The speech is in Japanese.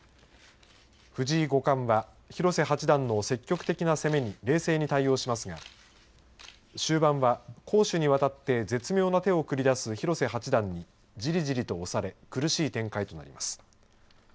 藤井五冠は広瀬八段の積極的な対応に冷静に対応しますが終盤は、攻守にわたって絶妙な手を繰り出す広瀬八段にじりじりと押され苦しい展開となります。